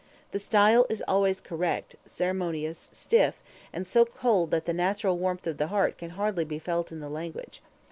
The style is always correct, ceremonious, stiff, and so cold that the natural warmth of the heart can hardly be felt in the language.